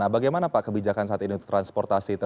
bagaimana pak kebijakan saat ini untuk transportasi